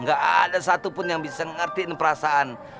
gak ada satupun yang bisa ngertiin perasaan